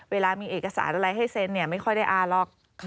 เวลามีเอกสารอะไรให้เซ็นไม่ค่อยได้อ่านหรอก